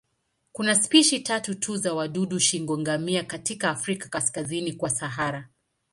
Kuna spishi tatu tu za wadudu shingo-ngamia katika Afrika kaskazini kwa Sahara.